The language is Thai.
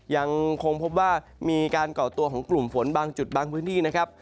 ยังคงพบว่ามีการก่อตัวของกลุ่มฝนบางจุดบางพื้นที่นะครับ